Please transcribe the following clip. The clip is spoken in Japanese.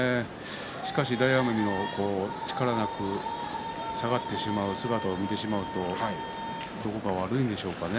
しかし、大奄美、力なく下がってしまう姿を見てしまうとどこか悪いんでしょうかね。